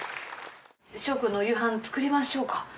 翔くんのお夕飯作りましょうか。